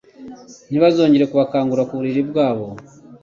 Ntibazongera kubakangura ku buriri bwabo.